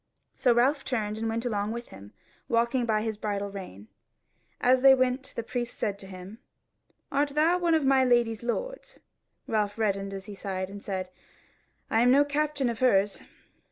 So Ralph turned, and went along with him, walking by his bridle rein. And as they went the priest said to him: "Art thou one of my lady's lords?" Ralph reddened as he sighed, and said: "I am no captain of hers."